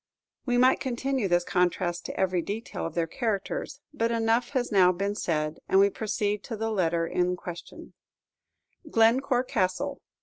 We might continue this contrast to every detail of their characters; but enough has now been said, and we proceed to the letter in question: Glencore Castle.